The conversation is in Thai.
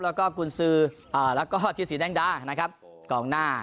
แล้วก็กรุณซื้ออ่าแล้วก็ทิศศรีแดงด้านะครับกร่องหน้า